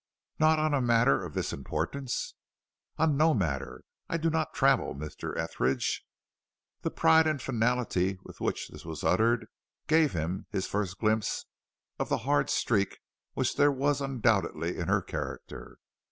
Not on a matter of this importance?" "On no matter. I do not travel, Mr. Etheridge." The pride and finality with which this was uttered, gave him his first glimpse of the hard streak which there was undoubtedly in her character.